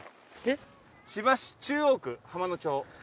千葉市中央区浜野町。